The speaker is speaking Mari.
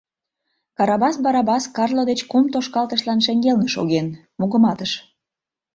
Карабас Барабас Карло деч кум тошкалтышлан шеҥгелне шоген, мугыматыш: